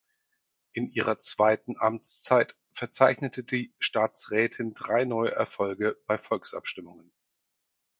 In ihrer zweiten Amtszeit verzeichnete die Staatsrätin drei neue Erfolge bei Volksabstimmungen.